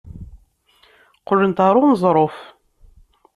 Qqlent ɣer uneẓruf.